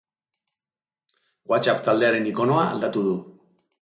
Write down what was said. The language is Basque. WhatsApp taldearen ikonoa aldatu du.